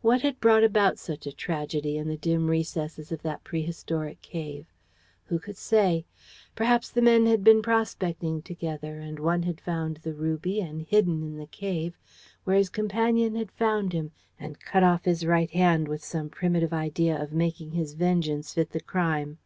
"What had brought about such a tragedy in the dim recesses of that prehistoric cave? Who could say? Perhaps the men had been prospecting together, and one had found the ruby and hidden in the cave, where his companion had found him and cut off his right hand with some primitive idea of making his vengeance fit the crime.